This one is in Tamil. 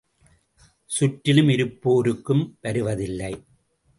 சுற்றிலும் இருப்போருக்கும் வருவதில்லை.